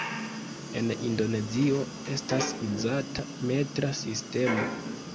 En Indonezio estas uzata metra sistemo.